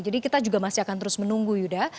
jadi kita juga masih akan terus menunggu yuda